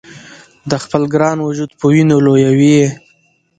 د خپل ګران وجود په وینو لویوي یې